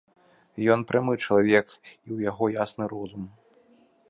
Ён прамы чалавек, і ў яго ясны розум.